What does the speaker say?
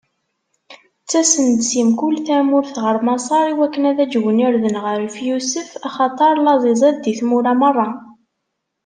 Ttasen-d si mkul tamurt ɣer Maṣer iwakken ad aǧwen irden ɣef Yusef, axaṭer laẓ izad di tmura meṛṛa.